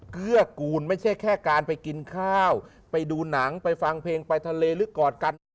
เกื้อกูลไม่ใช่แค่การไปกินข้าวไปดูหนังไปฟังเพลงไปทะเลหรือกอดกัน